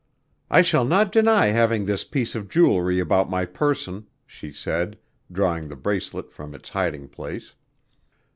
"I shall not deny having this piece of jewelry about my person," she said, drawing the bracelet from its hiding place.